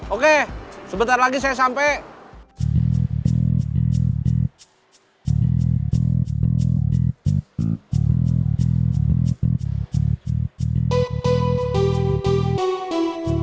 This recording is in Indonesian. oke sebentar lagi saya sampai